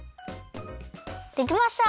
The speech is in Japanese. できました！